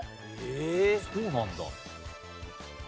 そうなんだ。